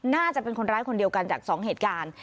น่าจะเป็นคนร้ายคนเดียวกันจาก๒เหตุการณ์